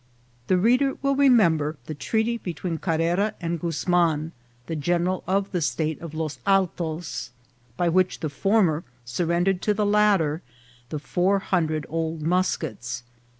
The reader will remember the treaty between Carrera and Guz man, the general of the State of Los Altos, by which the former surrendered to the latter four hundred old muskets.